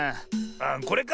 あこれか？